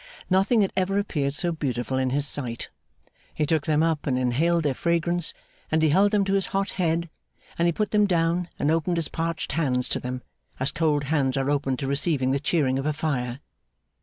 Nothing had ever appeared so beautiful in his sight. He took them up and inhaled their fragrance, and he lifted them to his hot head, and he put them down and opened his parched hands to them, as cold hands are opened to receive the cheering of a fire.